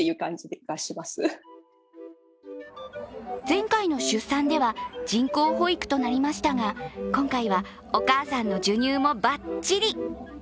前回の出産では、人工保育となりましたが、今回はお母さんの授乳もバッチリ。